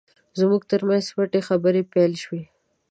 زموږ ترمنځ پټې خبرې پیل شوې.